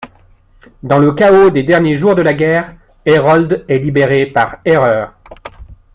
Dans le chaos des derniers jours de la guerre, Herold est libéré par erreur.